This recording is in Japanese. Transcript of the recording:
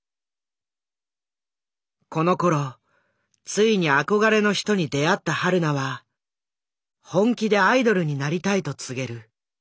このころついに憧れの人に出会ったはるなは本気でアイドルになりたいと告げる。